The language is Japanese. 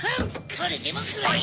これでもくらえ！